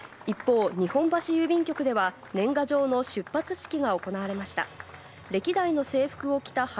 一方、日本橋郵便局では、年賀状の出発式が行われました。